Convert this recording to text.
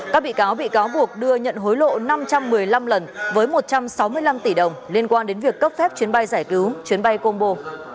các bị cáo bị cáo buộc đưa nhận hối lộ năm trăm một mươi năm lần với một trăm sáu mươi năm tỷ đồng liên quan đến việc cấp phép chuyến bay giải cứu chuyến bay combo